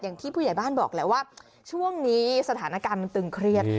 อย่างที่ผู้ใหญ่บ้านบอกแหละว่าช่วงนี้สถานการณ์มันตึงเครียด